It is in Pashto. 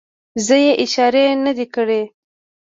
زه یې اشارې نه دي کړې.